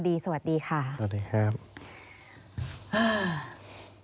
มันจอดอย่างง่ายอย่างง่ายอย่างง่าย